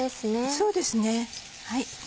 そうですね。